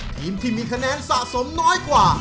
ทีมที่มีคะแนนสะสมน้อยกว่า